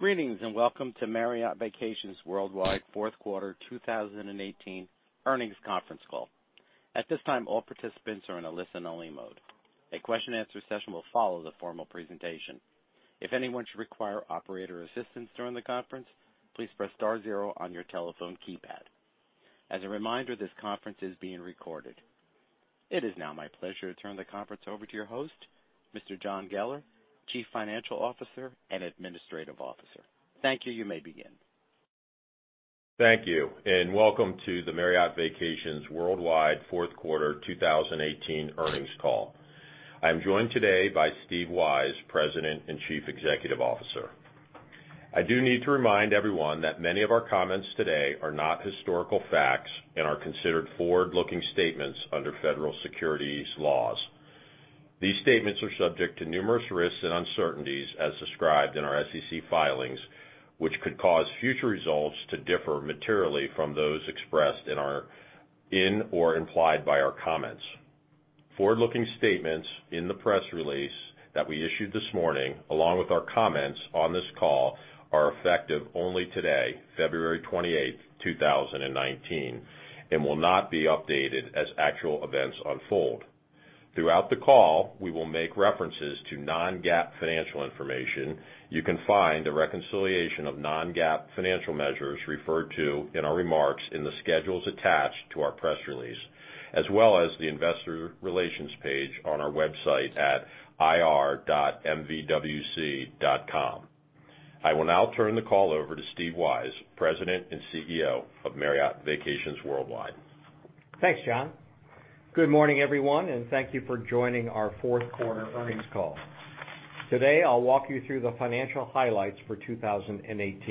Greetings, welcome to Marriott Vacations Worldwide fourth quarter 2018 earnings conference call. At this time, all participants are in a listen-only mode. A question and answer session will follow the formal presentation. If anyone should require operator assistance during the conference, please press star zero on your telephone keypad. As a reminder, this conference is being recorded. It is now my pleasure to turn the conference over to your host, Mr. John Geller, Chief Financial Officer and Administrative Officer. Thank you. You may begin. Thank you, welcome to the Marriott Vacations Worldwide fourth quarter 2018 earnings call. I am joined today by Steve Weisz, President and Chief Executive Officer. I do need to remind everyone that many of our comments today are not historical facts and are considered forward-looking statements under federal securities laws. These statements are subject to numerous risks and uncertainties as described in our SEC filings, which could cause future results to differ materially from those expressed in or implied by our comments. Forward-looking statements in the press release that we issued this morning, along with our comments on this call, are effective only today, February 28th, 2019, and will not be updated as actual events unfold. Throughout the call, we will make references to non-GAAP financial information. You can find a reconciliation of non-GAAP financial measures referred to in our remarks in the schedules attached to our press release, as well as the investor relations page on our website at ir.mvwc.com. I will now turn the call over to Steve Weisz, President and CEO of Marriott Vacations Worldwide. Thanks, John. Good morning, everyone, thank you for joining our fourth quarter earnings call. Today, I'll walk you through the financial highlights for 2018.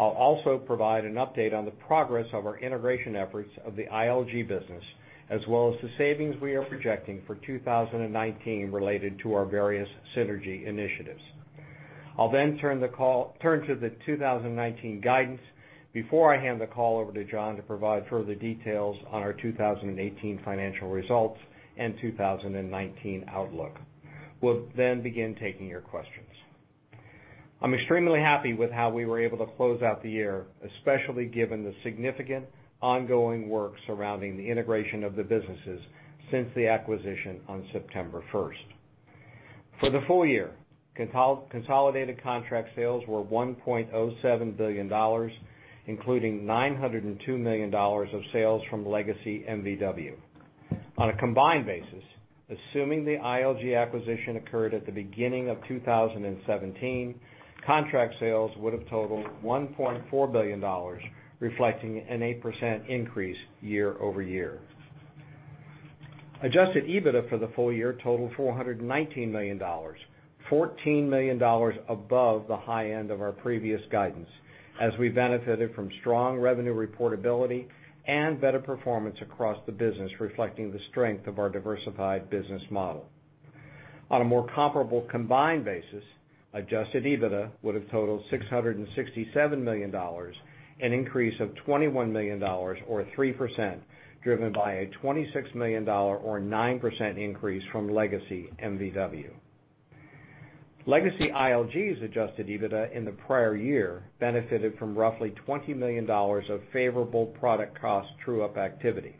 I'll also provide an update on the progress of our integration efforts of the ILG business, as well as the savings we are projecting for 2019 related to our various synergy initiatives. I'll then turn to the 2019 guidance before I hand the call over to John to provide further details on our 2018 financial results and 2019 outlook. We'll then begin taking your questions. I'm extremely happy with how we were able to close out the year, especially given the significant ongoing work surrounding the integration of the businesses since the acquisition on September 1st. For the full year, consolidated contract sales were $1.07 billion, including $902 million of sales from legacy MVW. On a combined basis, assuming the ILG acquisition occurred at the beginning of 2017, contract sales would have totaled $1.4 billion, reflecting an 8% increase year-over-year. adjusted EBITDA for the full year totaled $419 million, $14 million above the high end of our previous guidance, as we benefited from strong revenue reportability and better performance across the business, reflecting the strength of our diversified business model. On a more comparable combined basis, adjusted EBITDA would have totaled $667 million, an increase of $21 million or 3%, driven by a $26 million or 9% increase from legacy MVW. Legacy ILG's adjusted EBITDA in the prior year benefited from roughly $20 million of favorable product cost true-up activity.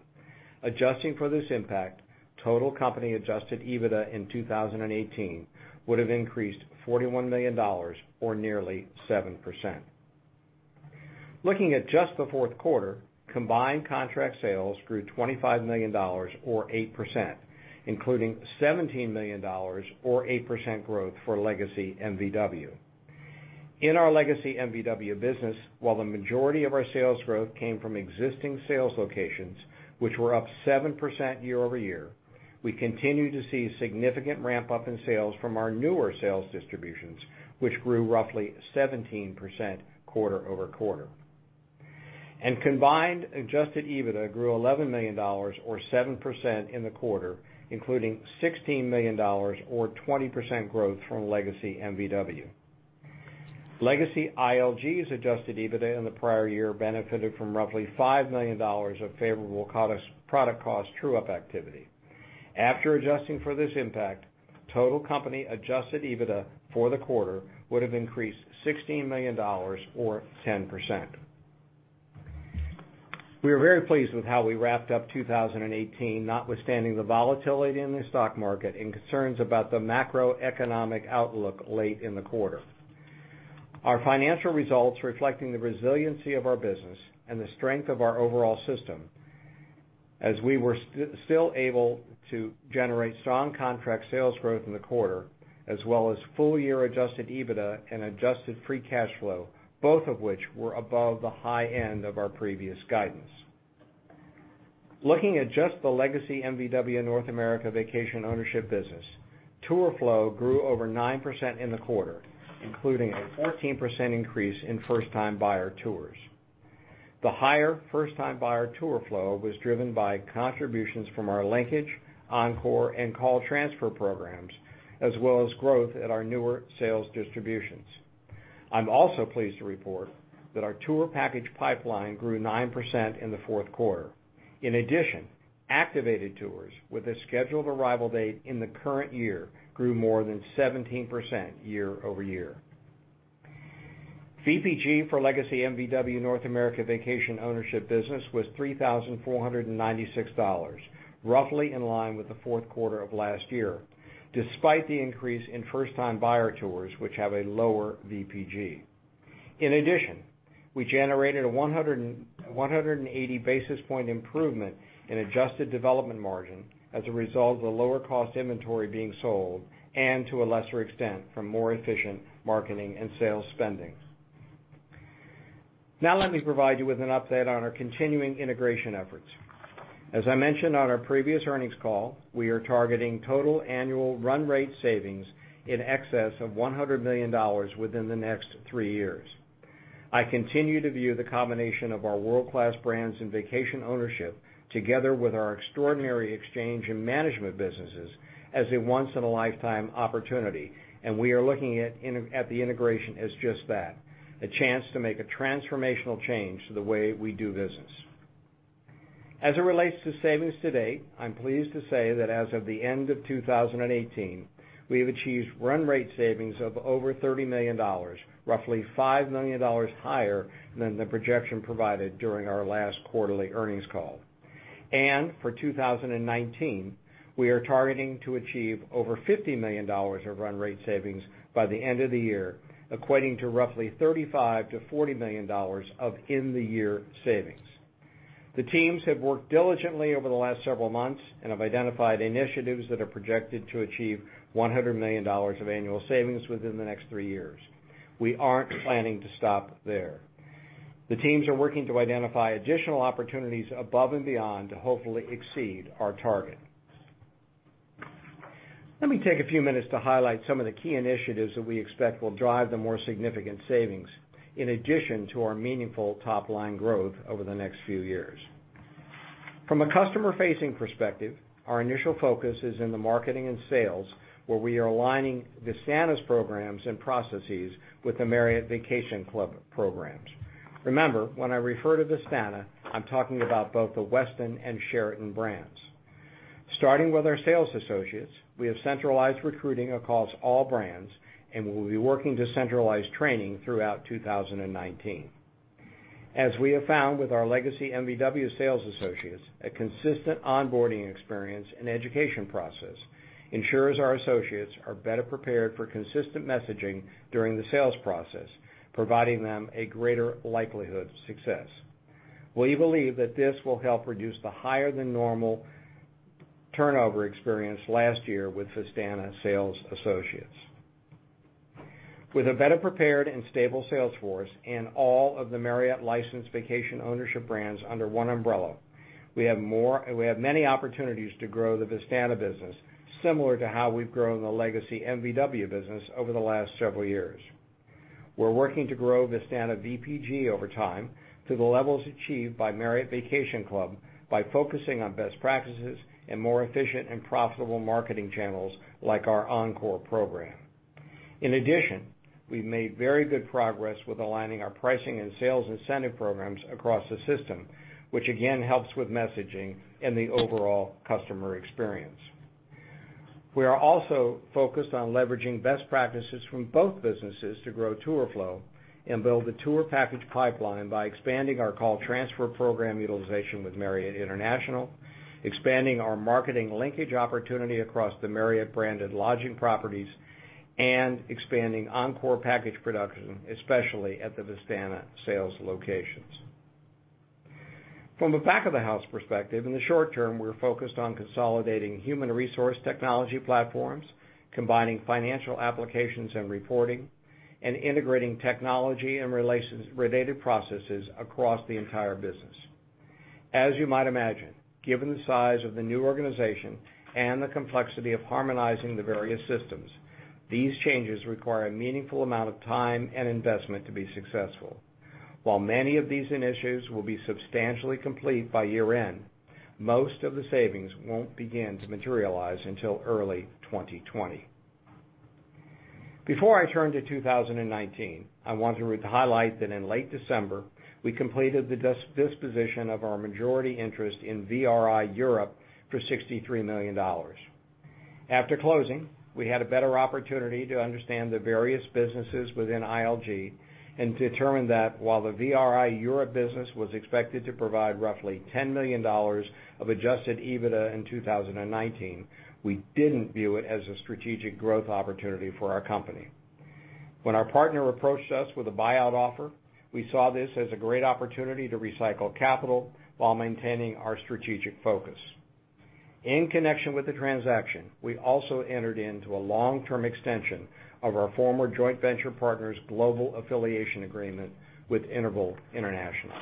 Adjusting for this impact, total company adjusted EBITDA in 2018 would have increased $41 million or nearly 7%. Looking at just the fourth quarter, combined contract sales grew $25 million or 8%, including $17 million or 8% growth for legacy MVW. In our legacy MVW business, while the majority of our sales growth came from existing sales locations, which were up 7% year-over-year, we continue to see significant ramp-up in sales from our newer sales distributions, which grew roughly 17% quarter-over-quarter. Combined adjusted EBITDA grew $11 million or 7% in the quarter, including $16 million or 20% growth from legacy MVW. Legacy ILG's adjusted EBITDA in the prior year benefited from roughly $5 million of favorable product cost true-up activity. After adjusting for this impact, total company adjusted EBITDA for the quarter would have increased $16 million or 10%. We are very pleased with how we wrapped up 2018 notwithstanding the volatility in the stock market and concerns about the macroeconomic outlook late in the quarter. Our financial results reflecting the resiliency of our business and the strength of our overall system as we were still able to generate strong contract sales growth in the quarter as well as full year adjusted EBITDA and adjusted free cash flow, both of which were above the high end of our previous guidance. Looking at just the legacy MVW North America vacation ownership business, tour flow grew over 9% in the quarter, including a 14% increase in first-time buyer tours. The higher first-time buyer tour flow was driven by contributions from our linkage, Encore, and call transfer programs, as well as growth at our newer sales distributions. I'm also pleased to report that our tour package pipeline grew 9% in the fourth quarter. In addition, activated tours with a scheduled arrival date in the current year grew more than 17% year-over-year. VPG for legacy MVW North America vacation ownership business was $3,496, roughly in line with the fourth quarter of last year, despite the increase in first-time buyer tours, which have a lower VPG. In addition, we generated a 180 basis point improvement in adjusted development margin as a result of the lower cost inventory being sold and to a lesser extent, from more efficient marketing and sales spendings. Let me provide you with an update on our continuing integration efforts. As I mentioned on our previous earnings call, we are targeting total annual run rate savings in excess of $100 million within the next three years. I continue to view the combination of our world-class brands and vacation ownership together with our extraordinary exchange in management businesses as a once in a lifetime opportunity. We are looking at the integration as just that, a chance to make a transformational change to the way we do business. As it relates to savings to date, I'm pleased to say that as of the end of 2018, we have achieved run rate savings of over $30 million, roughly $5 million higher than the projection provided during our last quarterly earnings call. For 2019, we are targeting to achieve over $50 million of run rate savings by the end of the year, equating to roughly $35 million-$40 million of in the year savings. The teams have worked diligently over the last several months and have identified initiatives that are projected to achieve $100 million of annual savings within the next three years. We aren't planning to stop there. The teams are working to identify additional opportunities above and beyond to hopefully exceed our target. Let me take a few minutes to highlight some of the key initiatives that we expect will drive the more significant savings in addition to our meaningful top-line growth over the next few years. From a customer facing perspective, our initial focus is in the marketing and sales, where we are aligning Vistana's programs and processes with the Marriott Vacation Club programs. Remember, when I refer to Vistana, I'm talking about both the Westin and Sheraton brands. Starting with our sales associates, we have centralized recruiting across all brands. We will be working to centralize training throughout 2019. As we have found with our legacy MVW sales associates, a consistent onboarding experience and education process ensures our associates are better prepared for consistent messaging during the sales process, providing them a greater likelihood of success. We believe that this will help reduce the higher than normal turnover experience last year with Vistana sales associates. With a better prepared and stable sales force in all of the Marriott licensed vacation ownership brands under one umbrella, we have many opportunities to grow the Vistana business, similar to how we've grown the legacy MVW business over the last several years. We're working to grow Vistana VPG over time to the levels achieved by Marriott Vacation Club by focusing on best practices and more efficient and profitable marketing channels like our Encore program. In addition, we made very good progress with aligning our pricing and sales incentive programs across the system, which again helps with messaging and the overall customer experience. We are also focused on leveraging best practices from both businesses to grow tour flow and build a tour package pipeline by expanding our call transfer program utilization with Marriott International, expanding our marketing linkage opportunity across the Marriott branded lodging properties, and expanding Encore package production, especially at the Vistana sales locations. From a back of the house perspective, in the short term, we're focused on consolidating human resource technology platforms, combining financial applications and reporting, and integrating technology and related processes across the entire business. As you might imagine, given the size of the new organization and the complexity of harmonizing the various systems, these changes require a meaningful amount of time and investment to be successful. While many of these initiatives will be substantially complete by year-end, most of the savings won't begin to materialize until early 2020. Before I turn to 2019, I want to highlight that in late December, we completed the disposition of our majority interest in VRI Europe for $63 million. After closing, we had a better opportunity to understand the various businesses within ILG and determine that while the VRI Europe business was expected to provide roughly $10 million of adjusted EBITDA in 2019, we didn't view it as a strategic growth opportunity for our company. When our partner approached us with a buyout offer, we saw this as a great opportunity to recycle capital while maintaining our strategic focus. In connection with the transaction, we also entered into a long-term extension of our former joint venture partner's global affiliation agreement with Interval International.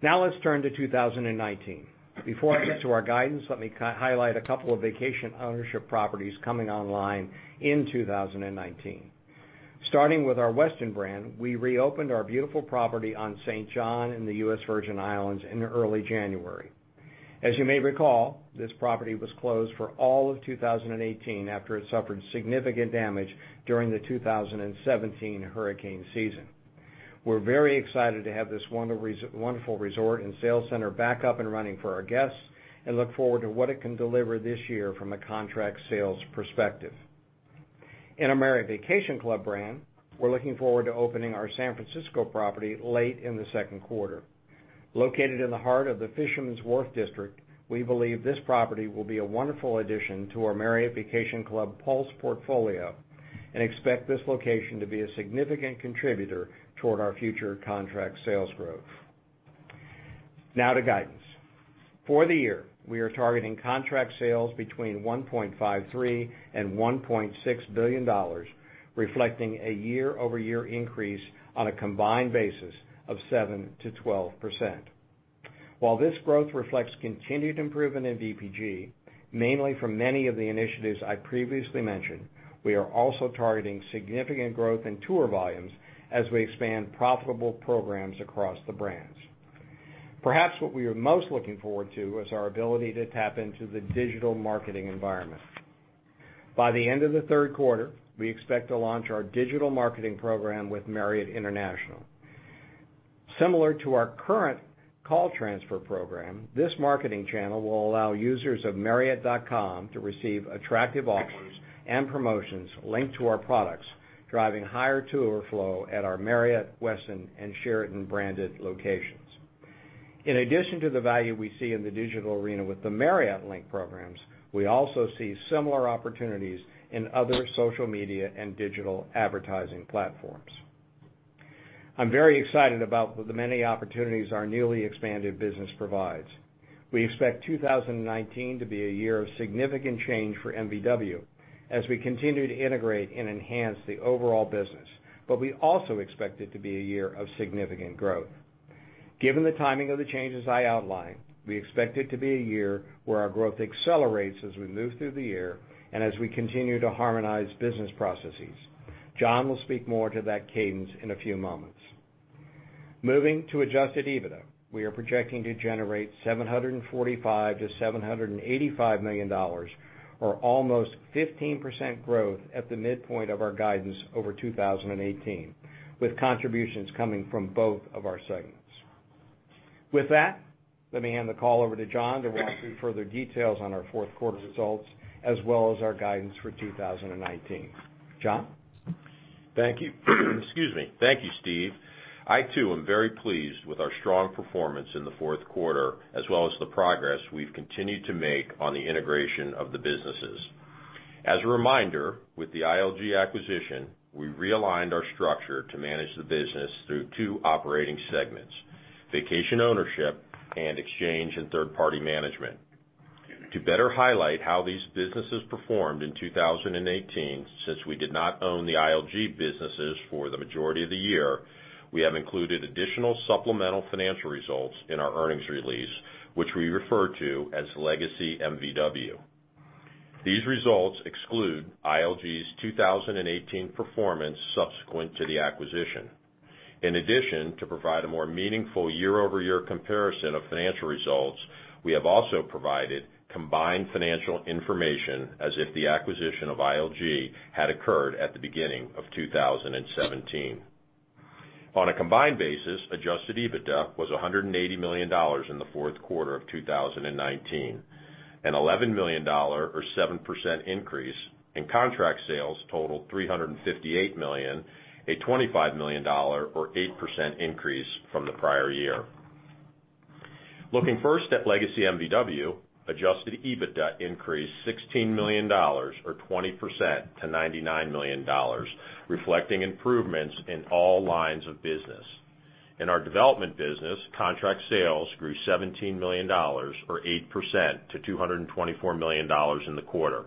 Now let's turn to 2019. Before I get to our guidance, let me highlight a couple of vacation ownership properties coming online in 2019. Starting with our Westin brand, we reopened our beautiful property on St. John in the U.S. Virgin Islands in early January. As you may recall, this property was closed for all of 2018 after it suffered significant damage during the 2017 hurricane season. We're very excited to have this wonderful resort and sales center back up and running for our guests, and look forward to what it can deliver this year from a contract sales perspective. In our Marriott Vacation Club brand, we're looking forward to opening our San Francisco property late in the second quarter. Located in the heart of the Fisherman's Wharf district, we believe this property will be a wonderful addition to our Marriott Vacation Club Pulse portfolio and expect this location to be a significant contributor toward our future contract sales growth. Now to guidance. For the year, we are targeting contract sales between $1.53 billion-$1.6 billion, reflecting a year-over-year increase on a combined basis of 7%-12%. While this growth reflects continued improvement in VPG, mainly from many of the initiatives I previously mentioned, we are also targeting significant growth in tour volumes as we expand profitable programs across the brands. Perhaps what we are most looking forward to is our ability to tap into the digital marketing environment. By the end of the third quarter, we expect to launch our digital marketing program with Marriott International. Similar to our current call transfer program, this marketing channel will allow users of marriott.com to receive attractive offers and promotions linked to our products, driving higher tour flow at our Marriott, Westin, and Sheraton-branded locations. In addition to the value we see in the digital arena with the Marriott Link programs, we also see similar opportunities in other social media and digital advertising platforms. I'm very excited about the many opportunities our newly expanded business provides. We expect 2019 to be a year of significant change for MVW as we continue to integrate and enhance the overall business. We also expect it to be a year of significant growth. Given the timing of the changes I outlined, we expect it to be a year where our growth accelerates as we move through the year and as we continue to harmonize business processes. John will speak more to that cadence in a few moments. Moving to adjusted EBITDA, we are projecting to generate $745 million-$785 million, or almost 15% growth at the midpoint of our guidance over 2018, with contributions coming from both of our segments. With that, let me hand the call over to John to walk through further details on our fourth quarter results, as well as our guidance for 2019. John? Thank you. Excuse me. Thank you, Steve. I, too, am very pleased with our strong performance in the fourth quarter, as well as the progress we've continued to make on the integration of the businesses. As a reminder, with the ILG acquisition, we realigned our structure to manage the business through two operating segments, vacation ownership and exchange and third-party management. To better highlight how these businesses performed in 2018, since we did not own the ILG businesses for the majority of the year, we have included additional supplemental financial results in our earnings release, which we refer to as Legacy MVW. These results exclude ILG's 2018 performance subsequent to the acquisition. In addition, to provide a more meaningful year-over-year comparison of financial results, we have also provided combined financial information as if the acquisition of ILG had occurred at the beginning of 2017. On a combined basis, adjusted EBITDA was $180 million in the fourth quarter of 2019, an $11 million or 7% increase, and contract sales totaled $358 million, a $25 million or 8% increase from the prior year. Looking first at Legacy MVW, adjusted EBITDA increased $16 million or 20% to $99 million, reflecting improvements in all lines of business. In our development business, contract sales grew $17 million or 8% to $224 million in the quarter.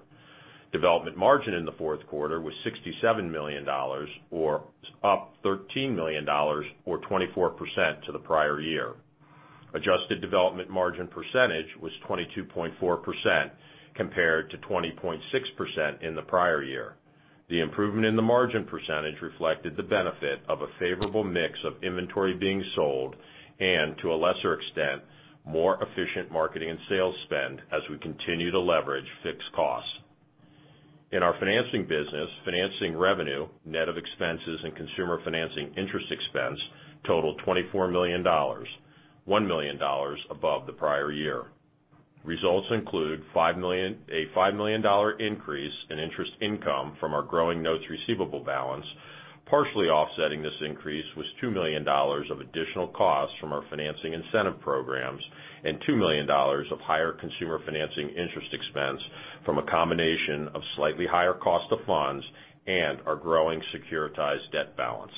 Development margin in the fourth quarter was $67 million or up $13 million or 24% to the prior year. adjusted development margin percentage was 22.4% compared to 20.6% in the prior year. The improvement in the margin percentage reflected the benefit of a favorable mix of inventory being sold and, to a lesser extent, more efficient marketing and sales spend as we continue to leverage fixed costs. In our financing business, financing revenue, net of expenses and consumer financing interest expense totaled $24 million, $1 million above the prior year. Results include a $5 million increase in interest income from our growing notes receivable balance. Partially offsetting this increase was $2 million of additional costs from our financing incentive programs and $2 million of higher consumer financing interest expense from a combination of slightly higher cost of funds and our growing securitized debt balance.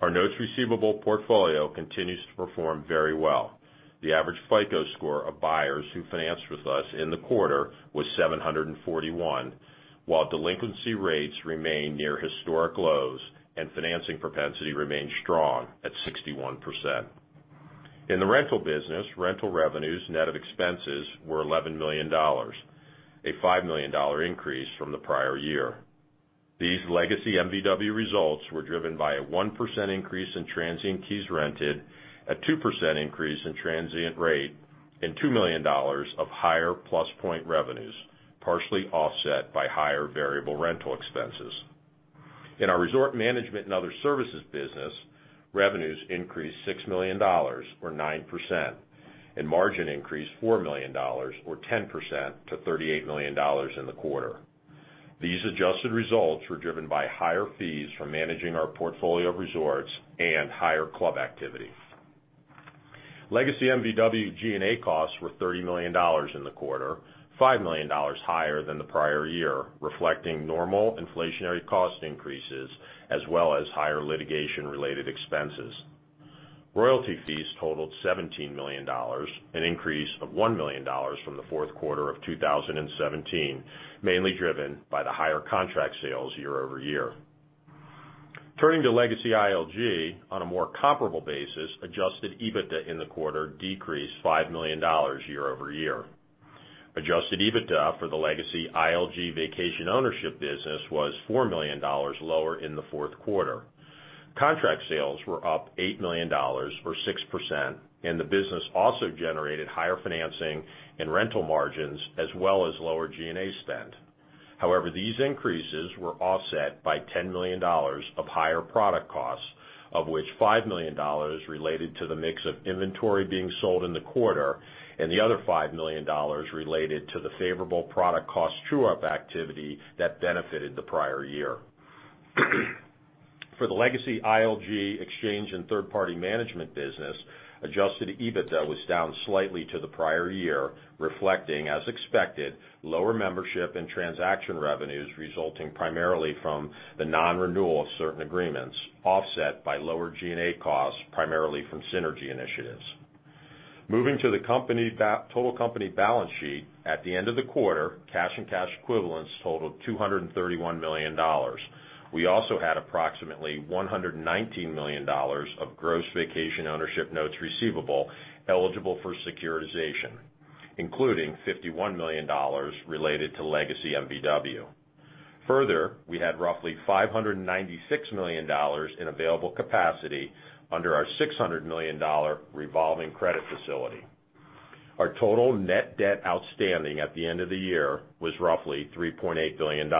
Our notes receivable portfolio continues to perform very well. The average FICO score of buyers who financed with us in the quarter was 741, while delinquency rates remain near historic lows and financing propensity remains strong at 61%. In the rental business, rental revenues net of expenses were $11 million, a $5 million increase from the prior year. These Legacy MVW results were driven by a 1% increase in transient keys rented, a 2% increase in transient rate. And $2 million of higher plus point revenues, partially offset by higher variable rental expenses. In our resort management and other services business, revenues increased $6 million or 9%, and margin increased $4 million or 10% to $38 million in the quarter. These adjusted results were driven by higher fees from managing our portfolio of resorts and higher club activity. Legacy MVW G&A costs were $30 million in the quarter, $5 million higher than the prior year, reflecting normal inflationary cost increases as well as higher litigation-related expenses. Royalty fees totaled $17 million, an increase of $1 million from the fourth quarter of 2017, mainly driven by the higher contract sales year-over-year. Turning to legacy ILG on a more comparable basis, adjusted EBITDA in the quarter decreased $5 million year-over-year. Adjusted EBITDA for the legacy ILG vacation ownership business was $4 million lower in the fourth quarter. Contract sales were up $8 million or 6%, and the business also generated higher financing and rental margins as well as lower G&A spend. However, these increases were offset by $10 million of higher product costs, of which $5 million related to the mix of inventory being sold in the quarter, and the other $5 million related to the favorable product cost true-up activity that benefited the prior year. For the legacy ILG exchange and third-party management business, adjusted EBITDA was down slightly to the prior year, reflecting, as expected, lower membership and transaction revenues resulting primarily from the non-renewal of certain agreements offset by lower G&A costs, primarily from synergy initiatives. Moving to the total company balance sheet, at the end of the quarter, cash and cash equivalents totaled $231 million. We also had approximately $119 million of gross vacation ownership notes receivable eligible for securitization, including $51 million related to legacy MVW. Further, we had roughly $596 million in available capacity under our $600 million revolving credit facility. Our total net debt outstanding at the end of the year was roughly $3.8 billion,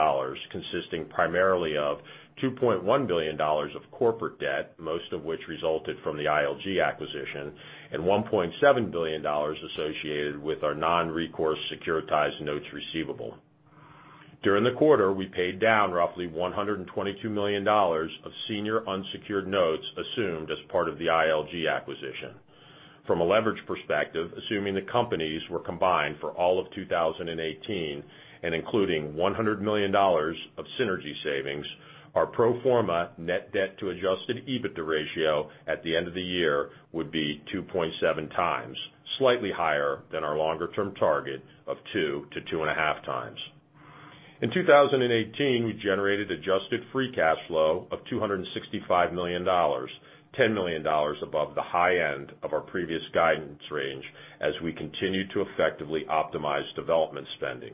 consisting primarily of $2.1 billion of corporate debt, most of which resulted from the ILG acquisition, and $1.7 billion associated with our non-recourse securitized notes receivable. During the quarter, we paid down roughly $122 million of senior unsecured notes assumed as part of the ILG acquisition. From a leverage perspective, assuming the companies were combined for all of 2018 and including $100 million of synergy savings, our pro forma net debt to adjusted EBITDA ratio at the end of the year would be 2.7 times, slightly higher than our longer-term target of 2 to 2.5 times. In 2018, we generated adjusted free cash flow of $265 million, $10 million above the high end of our previous guidance range as we continued to effectively optimize development spending.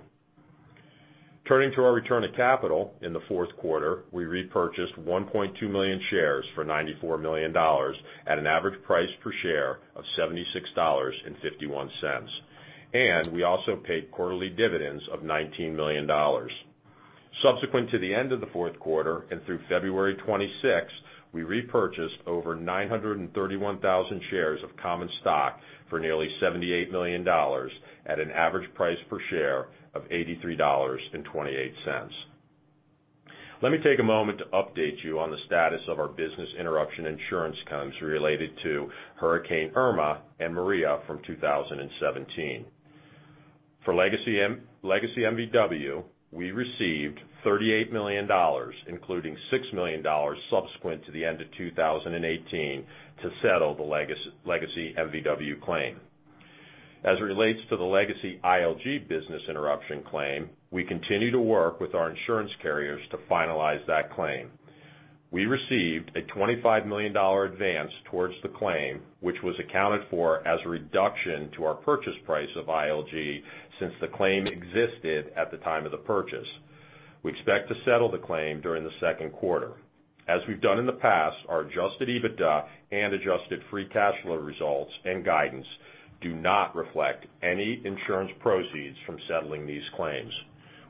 Turning to our return of capital in the fourth quarter, we repurchased 1.2 million shares for $94 million at an average price per share of $76.51. We also paid quarterly dividends of $19 million. Subsequent to the end of the fourth quarter and through February 26th, we repurchased over 931,000 shares of common stock for nearly $78 million at an average price per share of $83.28. Let me take a moment to update you on the status of our business interruption insurance claims related to Hurricane Irma and Hurricane Maria from 2017. For legacy MVW, we received $38 million, including $6 million subsequent to the end of 2018 to settle the legacy MVW claim. As it relates to the legacy ILG business interruption claim, we continue to work with our insurance carriers to finalize that claim. We received a $25 million advance towards the claim, which was accounted for as a reduction to our purchase price of ILG since the claim existed at the time of the purchase. We expect to settle the claim during the second quarter. As we've done in the past, our adjusted EBITDA and adjusted free cash flow results and guidance do not reflect any insurance proceeds from settling these claims.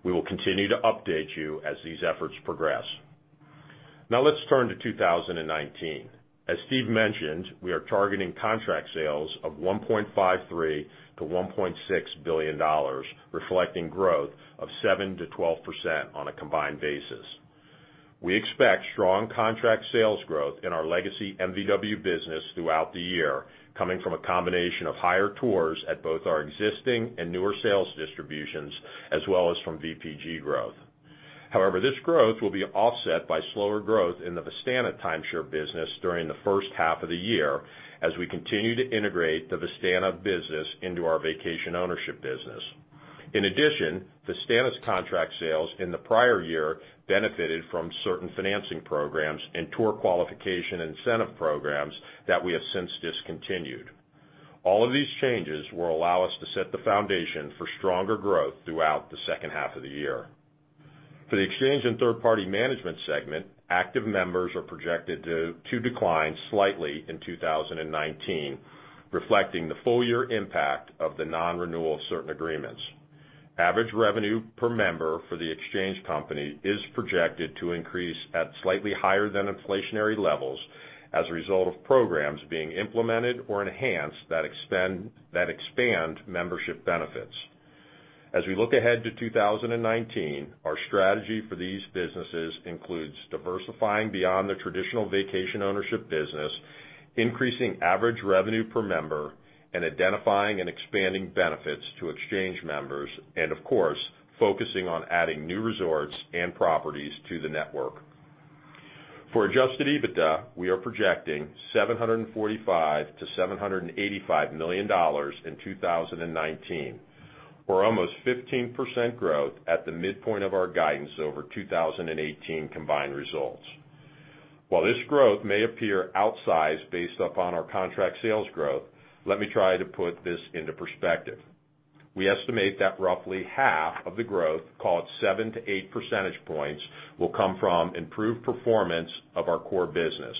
We will continue to update you as these efforts progress. Let's turn to 2019. As Steve mentioned, we are targeting contract sales of $1.53 billion-$1.6 billion, reflecting growth of 7%-12% on a combined basis. We expect strong contract sales growth in our legacy MVW business throughout the year, coming from a combination of higher tours at both our existing and newer sales distributions as well as from VPG growth. This growth will be offset by slower growth in the Vistana timeshare business during the first half of the year as we continue to integrate the Vistana business into our vacation ownership business. Vistana's contract sales in the prior year benefited from certain financing programs and tour qualification incentive programs that we have since discontinued. All of these changes will allow us to set the foundation for stronger growth throughout the second half of the year. For the exchange and third-party management segment, active members are projected to decline slightly in 2019, reflecting the full year impact of the non-renewal of certain agreements. Average revenue per member for the exchange company is projected to increase at slightly higher than inflationary levels as a result of programs being implemented or enhanced that expand membership benefits. We look ahead to 2019, our strategy for these businesses includes diversifying beyond the traditional vacation ownership business, increasing average revenue per member, and identifying and expanding benefits to exchange members, and of course, focusing on adding new resorts and properties to the network. For adjusted EBITDA, we are projecting $745 million-$785 million in 2019, or almost 15% growth at the midpoint of our guidance over 2018 combined results. While this growth may appear outsized based upon our contract sales growth, let me try to put this into perspective. We estimate that roughly half of the growth, call it 7-8 percentage points, will come from improved performance of our core business.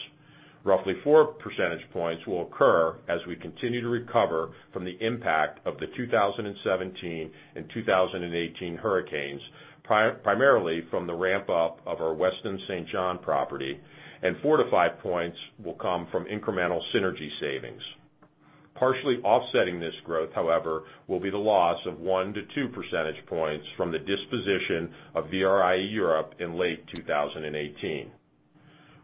Roughly four percentage points will occur as we continue to recover from the impact of the 2017 and 2018 hurricanes, primarily from the ramp-up of our Westin St. John property, and 4-5 points will come from incremental synergy savings. Partially offsetting this growth, however, will be the loss of 1-2 percentage points from the disposition of VRI Europe in late 2018.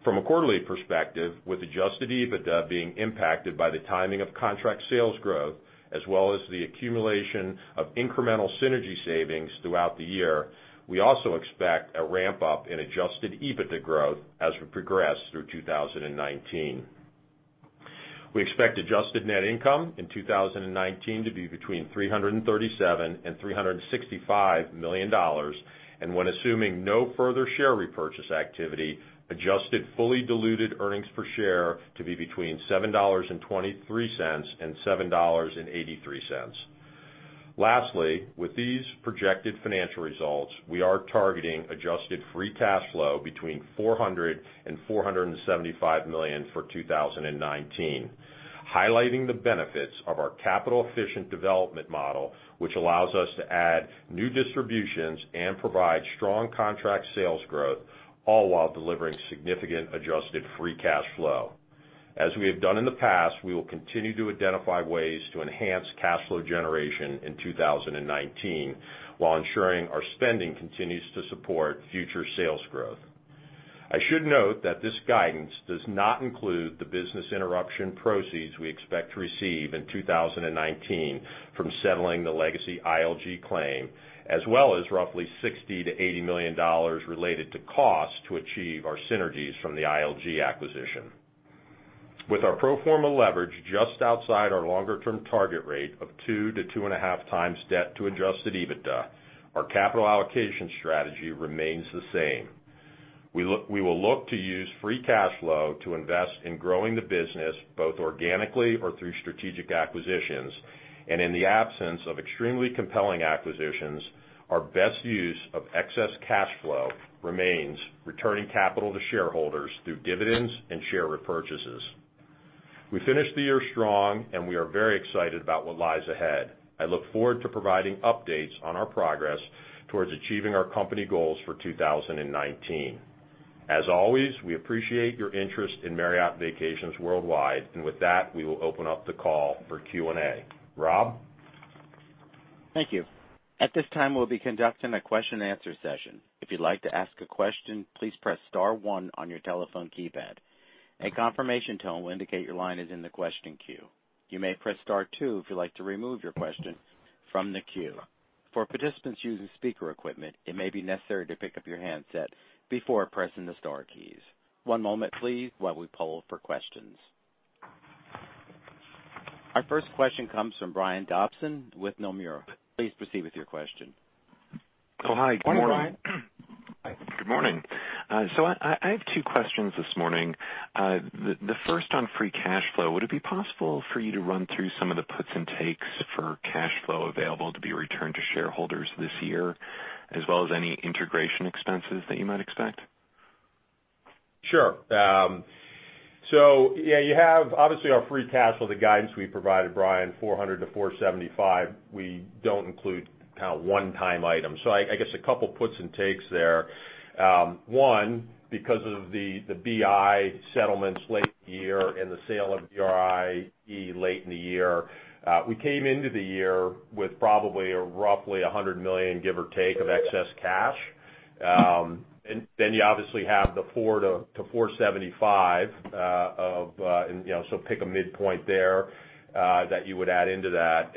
From a quarterly perspective, with adjusted EBITDA being impacted by the timing of contract sales growth as well as the accumulation of incremental synergy savings throughout the year, we also expect a ramp-up in adjusted EBITDA growth as we progress through 2019. We expect adjusted net income in 2019 to be between $337 million and $365 million, and when assuming no further share repurchase activity, adjusted fully diluted earnings per share to be between $7.23 and $7.83. Lastly, with these projected financial results, we are targeting adjusted free cash flow between $400 million and $475 million for 2019, highlighting the benefits of our capital-efficient development model, which allows us to add new distributions and provide strong contract sales growth, all while delivering significant adjusted free cash flow. As we have done in the past, we will continue to identify ways to enhance cash flow generation in 2019 while ensuring our spending continues to support future sales growth. I should note that this guidance does not include the business interruption proceeds we expect to receive in 2019 from settling the legacy ILG claim as well as roughly $60 million to $80 million related to costs to achieve our synergies from the ILG acquisition. With our pro forma leverage just outside our longer-term target rate of 2 to 2.5 times debt to adjusted EBITDA, our capital allocation strategy remains the same. In the absence of extremely compelling acquisitions, our best use of excess cash flow remains returning capital to shareholders through dividends and share repurchases. We finished the year strong, and we are very excited about what lies ahead. I look forward to providing updates on our progress towards achieving our company goals for 2019. As always, we appreciate your interest in Marriott Vacations Worldwide. With that, we will open up the call for Q&A. Rob? Thank you. At this time, we'll be conducting a question and answer session. If you'd like to ask a question, please press star one on your telephone keypad. A confirmation tone will indicate your line is in the question queue. You may press star two if you'd like to remove your question from the queue. For participants using speaker equipment, it may be necessary to pick up your handset before pressing the star keys. One moment please while we poll for questions. Our first question comes from Brian Dobson with Nomura. Please proceed with your question. Oh, hi. Good morning. Good morning, Brian. Good morning. I have two questions this morning. The first on free cash flow. Would it be possible for you to run through some of the puts and takes for cash flow available to be returned to shareholders this year, as well as any integration expenses that you might expect? Sure. Yeah, you have obviously our free cash flow, the guidance we provided, Brian, $400 million-$475 million. We don't include one-time items. I guess a couple puts and takes there. One, because of the BI settlements late in the year and the sale of VRIE late in the year, we came into the year with probably roughly $100 million, give or take, of excess cash. You obviously have the $400 million-$475 million of-- pick a midpoint there that you would add into that.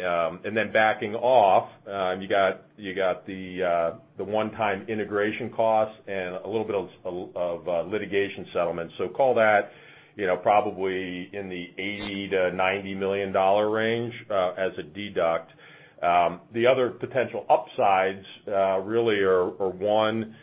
Backing off, you got the one-time integration costs and a little bit of litigation settlements. Call that probably in the $80 million-$90 million range as a deduct. The other potential upsides really are one,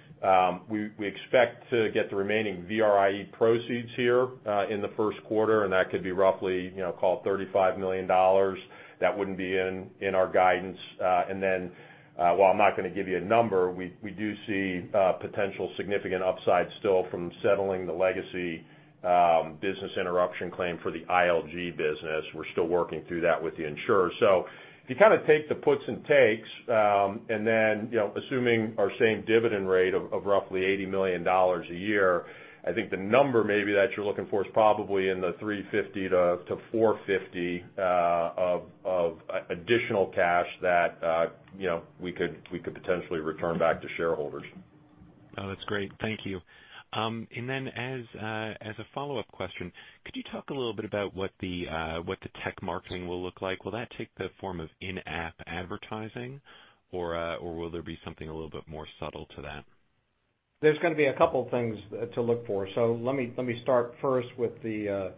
we expect to get the remaining VRIE proceeds here in the first quarter and that could be roughly call it $35 million. That wouldn't be in our guidance. While I'm not going to give you a number, we do see potential significant upside still from settling the legacy business interruption claim for the ILG business. We're still working through that with the insurer. If you take the puts and takes, assuming our same dividend rate of roughly $80 million a year, I think the number maybe that you're looking for is probably in the $350 million-$450 million of additional cash that we could potentially return back to shareholders. That's great. Thank you. As a follow-up question, could you talk a little bit about what the tech marketing will look like? Will that take the form of in-app advertising, or will there be something a little bit more subtle to that? There's going to be a couple things to look for. Let me start first with the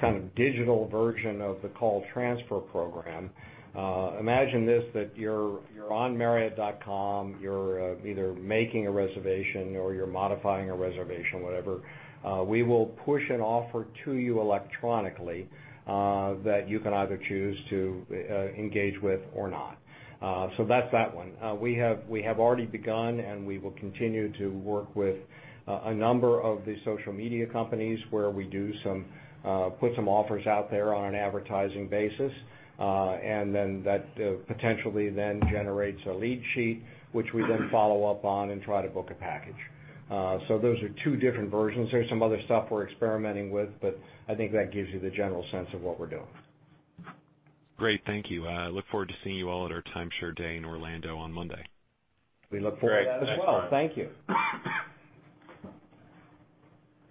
kind of digital version of the Call Transfer Program. Imagine this, that you're on marriott.com, you're either making a reservation or you're modifying a reservation, whatever. We will push an offer to you electronically that you can either choose to engage with or not. That's that one. We have already begun, and we will continue to work with a number of the social media companies where we put some offers out there on an advertising basis. That potentially then generates a lead sheet, which we then follow up on and try to book a package. Those are two different versions. There's some other stuff we're experimenting with, I think that gives you the general sense of what we're doing. Great. Thank you. Look forward to seeing you all at our timeshare day in Orlando on Monday. We look forward to that as well. Thank you.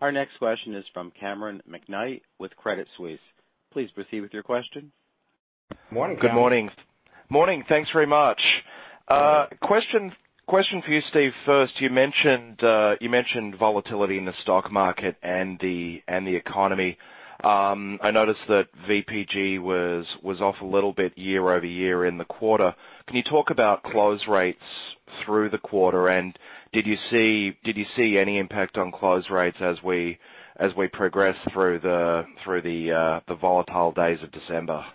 Our next question is from Cameron McKnight with Credit Suisse. Please proceed with your question. Morning, Cameron. Good morning. Morning, thanks very much. Question for you, Steve, first. You mentioned volatility in the stock market and the economy. I noticed that VPG was off a little bit year-over-year in the quarter. Can you talk about close rates through the quarter? Did you see any impact on close rates as we progress through the volatile days of December?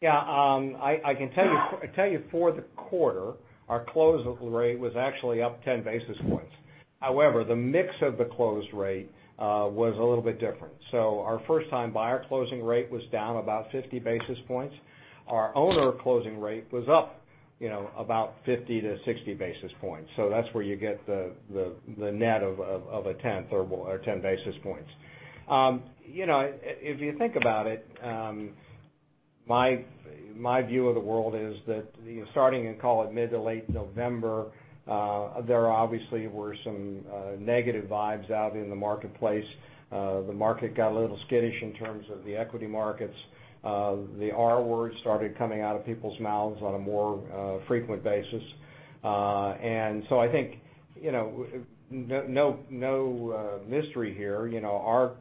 Yeah. I can tell you for the quarter, our close rate was actually up 10 basis points. However, the mix of the close rate was a little bit different. Our first-time buyer closing rate was down about 50 basis points. Our owner closing rate was up about 50 to 60 basis points. That's where you get the net of a 10 basis points. If you think about it, my view of the world is that starting in, call it mid to late November, there obviously were some negative vibes out in the marketplace. The market got a little skittish in terms of the equity markets. The R word started coming out of people's mouths on a more frequent basis. I think, no mystery here. Our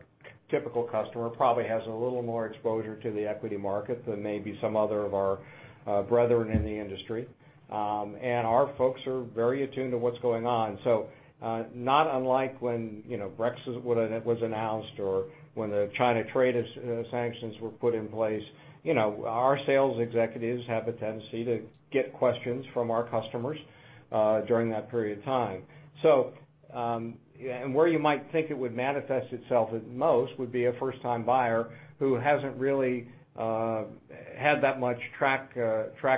typical customer probably has a little more exposure to the equity market than maybe some other of our brethren in the industry. Our folks are very attuned to what's going on. Not unlike when Brexit was announced or when the China trade sanctions were put in place, our sales executives have a tendency to get questions from our customers during that period of time. Where you might think it would manifest itself at most would be a first-time buyer who hasn't really had that much track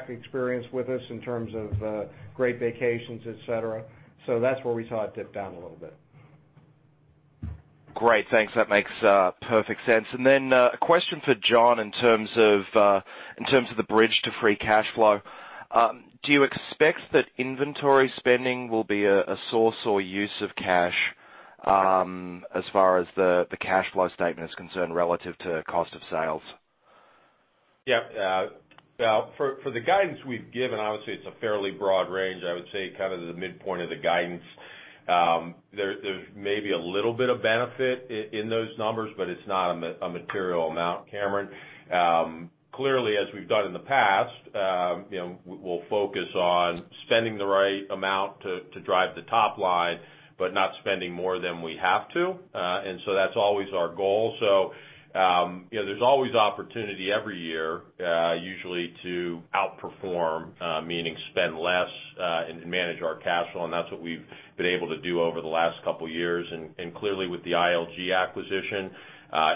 experience with us in terms of great vacations, et cetera. That's where we saw it dip down a little bit. Great. Thanks. Then a question for John in terms of the bridge to free cash flow. Do you expect that inventory spending will be a source or use of cash as far as the cash flow statement is concerned relative to cost of sales? Yeah. For the guidance we've given, obviously it's a fairly broad range. I would say kind of the midpoint of the guidance. There's maybe a little bit of benefit in those numbers, but it's not a material amount, Cameron. Clearly, as we've done in the past, we'll focus on spending the right amount to drive the top line, but not spending more than we have to. That's always our goal. There's always opportunity every year, usually to outperform, meaning spend less, and manage our cash flow. Clearly with the ILG acquisition,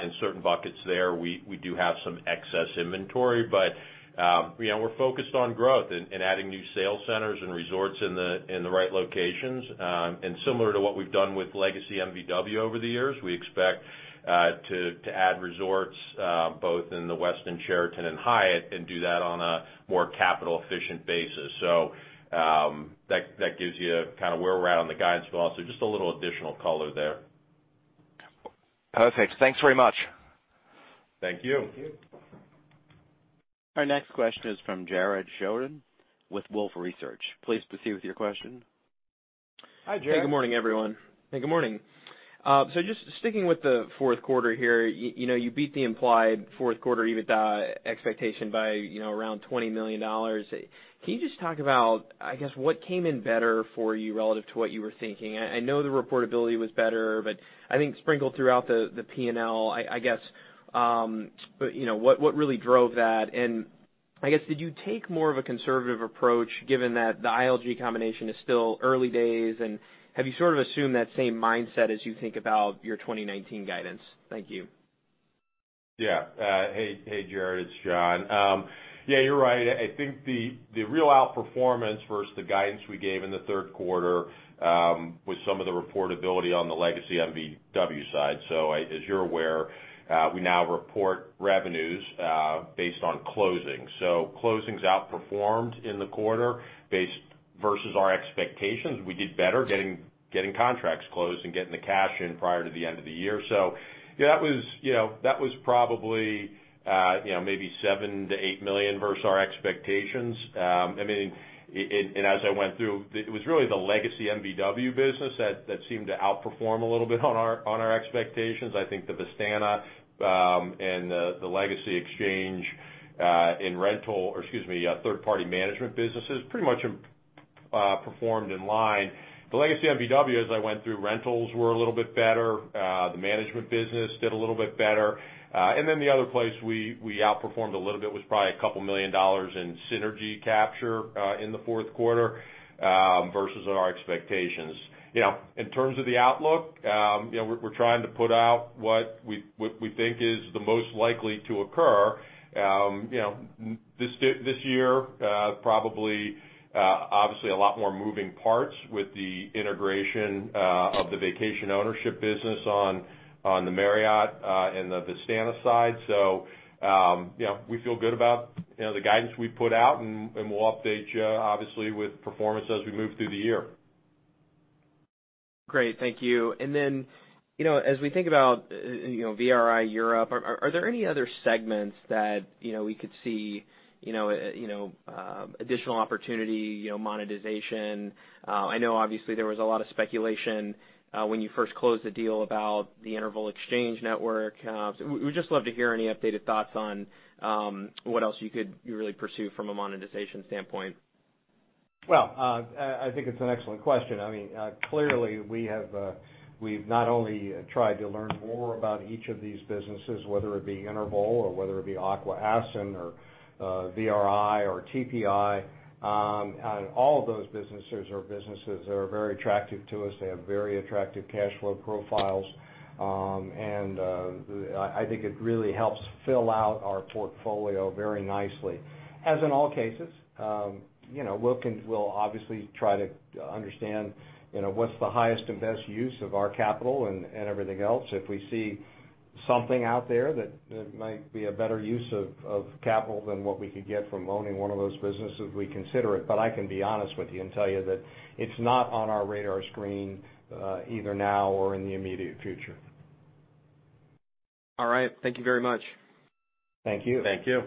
in certain buckets there, we do have some excess inventory, but we're focused on growth and adding new sales centers and resorts in the right locations. Similar to what we've done with Legacy MVW over the years, we expect to add resorts, both in the Westin, Sheraton and Hyatt and do that on a more capital efficient basis. That gives you kind of where we're at on the guidance but also just a little additional color there. Perfect. Thanks very much. Thank you. Thank you. Our next question is from Jared Shojaian with Wolfe Research. Please proceed with your question. Hi, Jared. Good morning, everyone. Hey, good morning. Just sticking with the fourth quarter here, you beat the implied fourth quarter EBITDA expectation by around $20 million. Can you just talk about, I guess, what came in better for you relative to what you were thinking? I know the reportability was better, but I think sprinkled throughout the P&L, I guess, what really drove that? I guess, did you take more of a conservative approach given that the ILG combination is still early days, and have you sort of assumed that same mindset as you think about your 2019 guidance? Thank you. Hey, Jared, it's John. Yeah, you're right. I think the real outperformance versus the guidance we gave in the third quarter was some of the reportability on the legacy MVW side. As you're aware, we now report revenues based on closings. Closings outperformed in the quarter versus our expectations. We did better getting contracts closed and getting the cash in prior to the end of the year. That was probably maybe $7 million-$8 million versus our expectations. As I went through, it was really the legacy MVW business that seemed to outperform a little bit on our expectations. I think the Vistana and the legacy exchange in third-party management businesses pretty much performed in line. The legacy MVW, as I went through, rentals were a little bit better. The management business did a little bit better. The other place we outperformed a little bit was probably a couple million dollars in synergy capture in the fourth quarter versus our expectations. In terms of the outlook, we're trying to put out what we think is the most likely to occur. This year, probably, obviously, a lot more moving parts with the integration of the vacation ownership business on the Marriott and the Vistana side. We feel good about the guidance we put out, and we'll update you obviously with performance as we move through the year. Great. Thank you. As we think about VRI Europe, are there any other segments that we could see additional opportunity, monetization? I know obviously there was a lot of speculation when you first closed the deal about the Interval exchange network. We'd just love to hear any updated thoughts on what else you could really pursue from a monetization standpoint. Well, I think it's an excellent question. Clearly, we've not only tried to learn more about each of these businesses, whether it be Interval or whether it be Aqua-Aston or VRI or TPI. All of those businesses are businesses that are very attractive to us. They have very attractive cash flow profiles. I think it really helps fill out our portfolio very nicely. As in all cases, we'll obviously try to understand what's the highest and best use of our capital and everything else. If we see something out there that might be a better use of capital than what we could get from owning one of those businesses, we consider it. I can be honest with you and tell you that it's not on our radar screen either now or in the immediate future. All right. Thank you very much. Thank you. Thank you.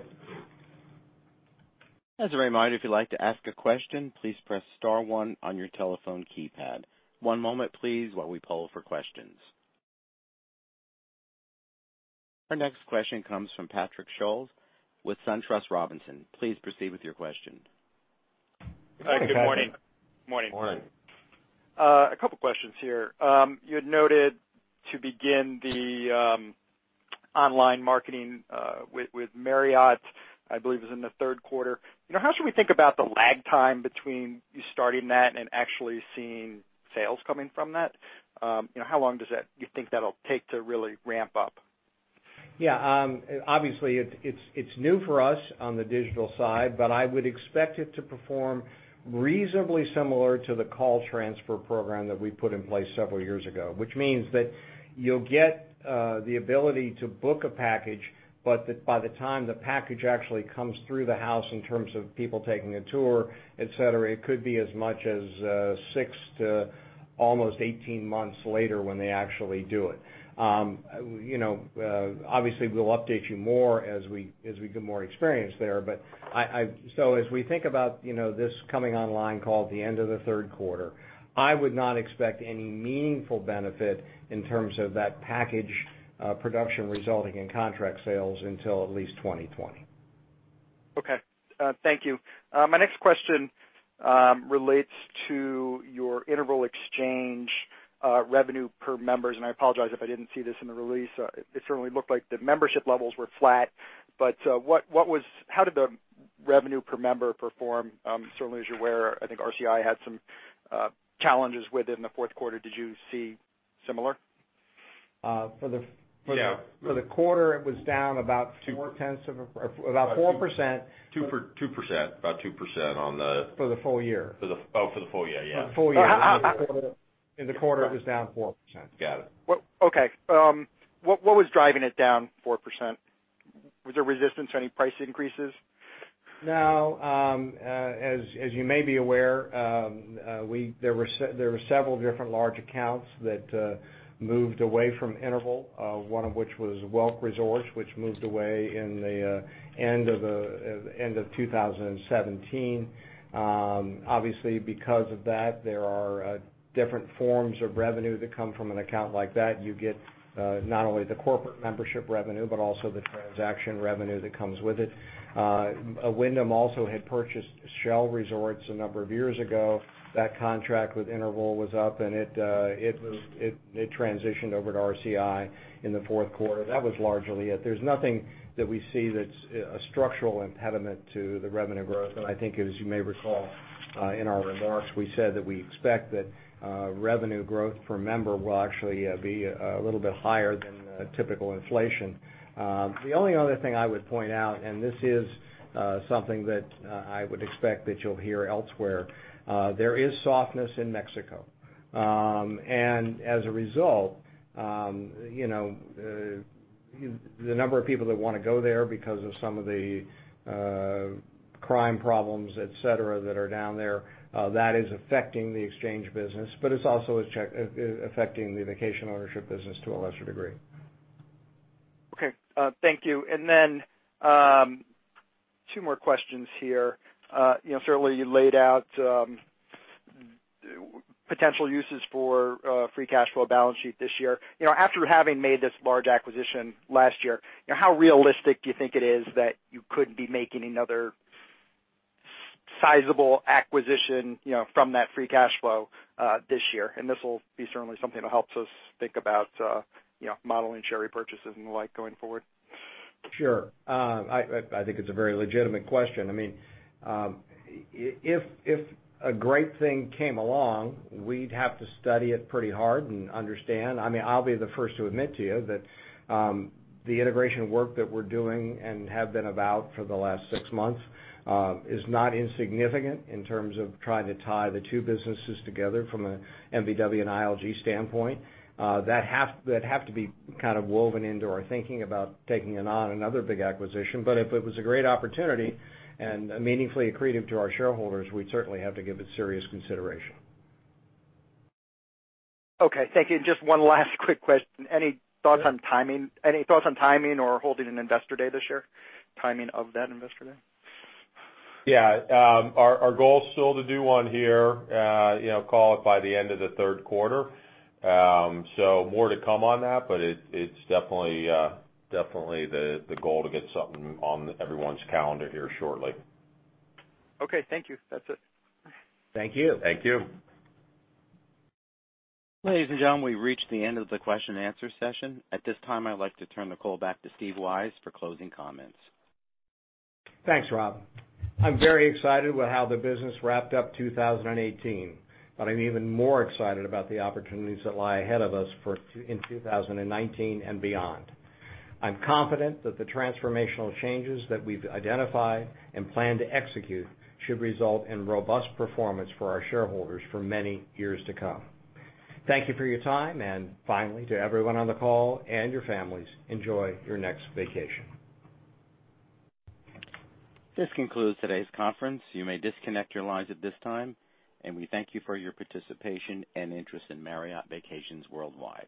As a reminder, if you'd like to ask a question, please press *1 on your telephone keypad. One moment please, while we poll for questions. Our next question comes from Patrick Scholes with SunTrust Robinson Humphrey. Please proceed with your question. Hi, good morning. Morning. Morning. A couple of questions here. You had noted to begin the online marketing with Marriott, I believe it was in the third quarter. How should we think about the lag time between you starting that and actually seeing sales coming from that? How long do you think that'll take to really ramp up? Yeah. Obviously, it's new for us on the digital side, but I would expect it to perform reasonably similar to the call transfer program that we put in place several years ago. Which means that you'll get the ability to book a package, but by the time the package actually comes through the house in terms of people taking a tour, et cetera, it could be as much as six to almost 18 months later when they actually do it. Obviously, we'll update you more as we get more experience there. As we think about this coming online call at the end of the third quarter, I would not expect any meaningful benefit in terms of that package production resulting in contract sales until at least 2020. Okay. Thank you. My next question relates to your Interval exchange revenue per members, and I apologize if I didn't see this in the release. It certainly looked like the membership levels were flat, how did the revenue per member perform? Certainly, as you're aware, I think RCI had some challenges with it in the fourth quarter. Did you see similar? For the- Yeah for the quarter, it was down about 4%. 2%, about 2%. For the full year. Oh, for the full year. Yeah. For the full year. In the quarter, it was down 4%. Got it. Okay. What was driving it down 4%? Was there resistance to any price increases? No. As you may be aware, there were several different large accounts that moved away from Interval, one of which was Welk Resorts, which moved away in the end of 2017. Obviously because of that, there are different forms of revenue that come from an account like that. You get not only the corporate membership revenue, but also the transaction revenue that comes with it. Wyndham also had purchased Shell Vacations Club a number of years ago. That contract with Interval was up, and it transitioned over to RCI in the fourth quarter. That was largely it. There's nothing that we see that's a structural impediment to the revenue growth. I think as you may recall in our remarks, we said that we expect that revenue growth per member will actually be a little bit higher than the typical inflation. The only other thing I would point out, this is something that I would expect that you'll hear elsewhere there is softness in Mexico. The number of people that want to go there because of some of the crime problems, et cetera, that are down there, that is affecting the exchange business, but it's also affecting the vacation ownership business to a lesser degree. Okay. Thank you. Then two more questions here. Certainly, you laid out potential uses for free cash flow balance sheet this year. After having made this large acquisition last year, how realistic do you think it is that you could be making another sizable acquisition from that free cash flow this year? This will be certainly something that helps us think about modeling share repurchases and the like going forward. Sure. I think it's a very legitimate question. If a great thing came along, we'd have to study it pretty hard and understand. I'll be the first to admit to you that the integration work that we're doing and have been about for the last six months is not insignificant in terms of trying to tie the two businesses together from a MVW and ILG standpoint. That would have to be kind of woven into our thinking about taking on another big acquisition. If it was a great opportunity and meaningfully accretive to our shareholders, we'd certainly have to give it serious consideration. Okay. Thank you. Just one last quick question. Any thoughts on timing or holding an investor day this year? Timing of that investor day? Yeah. Our goal is still to do one here, call it by the end of the third quarter. More to come on that, but it's definitely the goal to get something on everyone's calendar here shortly. Okay. Thank you. That's it. Thank you. Thank you. Ladies and gentlemen, we've reached the end of the question and answer session. At this time, I'd like to turn the call back to Steve Weisz for closing comments. Thanks, Rob. I'm very excited with how the business wrapped up 2018, but I'm even more excited about the opportunities that lie ahead of us in 2019 and beyond. I'm confident that the transformational changes that we've identified and plan to execute should result in robust performance for our shareholders for many years to come. Thank you for your time, and finally, to everyone on the call and your families, enjoy your next vacation. This concludes today's conference. You may disconnect your lines at this time, and we thank you for your participation and interest in Marriott Vacations Worldwide